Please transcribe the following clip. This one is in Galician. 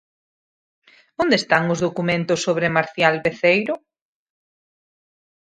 ¿Onde están os documentos sobre Marcial Veceiro?